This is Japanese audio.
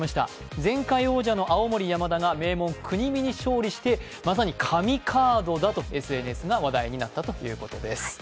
前回王者の青森山田が名門・国見に勝利してまさに神カードだとＳＮＳが話題になったということです。